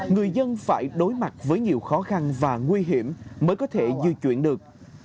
người dân phải đối mặt với nhiều khó khăn và nguy hiểm mới có thể di chuyển được